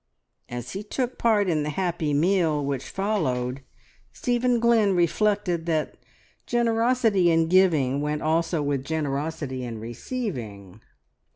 As he took part in the happy meal which followed, Stephen Glynn reflected that generosity in giving went also with generosity in receiving.